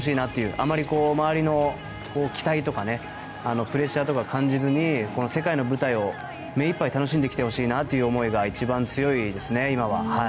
あまり周りの期待とかプレッシャーとかを感じずに世界の舞台をめいっぱい楽しんできてほしいなという思いが一番強いですね、今は。